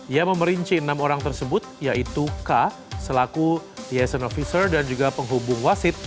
ia memerinci enam orang tersebut yaitu k selaku yasin officer dan juga penghubung wasit